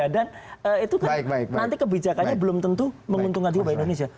dan itu kan nanti kebijakannya belum tentu menguntungkan juga indonesia